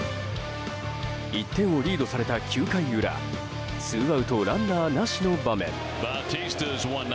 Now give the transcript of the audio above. １点をリードされた９回裏ツーアウトランナーなしの場面。